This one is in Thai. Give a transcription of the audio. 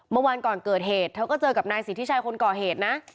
เมื่อวานก่อนเกิดเหตุเธอก็เจอกับนายสิทธิชัยคนก่อเหตุนะ